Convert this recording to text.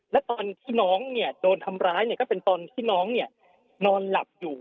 และตอนที่น้องโดนทำร้ายก็เป็นตอนที่น้องนอนหลับอยู่